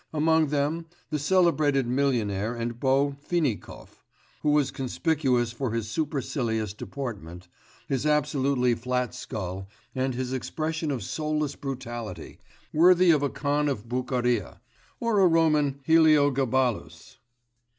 Among them the celebrated millionaire and beau Finikov was conspicuous for his supercilious deportment, his absolutely flat skull, and his expression of soulless brutality, worthy of a Khan of Bucharia, or a Roman Heliogabalus.